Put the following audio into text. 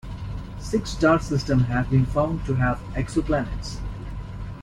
Six star systems have been found to have exoplanets.